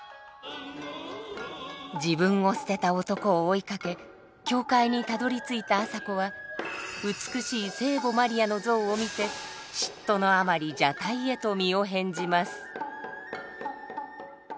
自分を捨てた男を追いかけ教会にたどりついた朝子は美しい聖母マリアの像を見て嫉妬のあまり蛇体へと身を変じます。